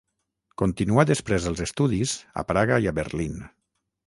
Continuà després els estudis a Praga i a Berlín.